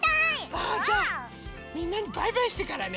あじゃあみんなにバイバイしてからね。